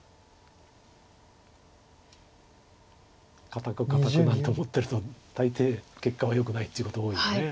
堅く堅くなんて思ってると大抵結果はよくないっていうこと多いよね